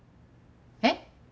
えっ？